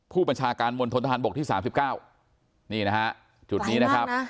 ผู้บัญชาการมนตรฐานบกที่สามสิบเก้านี่นะฮะจุดนี้นะครับ